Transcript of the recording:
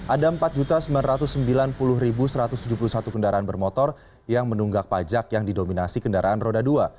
ada empat sembilan ratus sembilan puluh satu ratus tujuh puluh satu kendaraan bermotor yang menunggak pajak yang didominasi kendaraan roda dua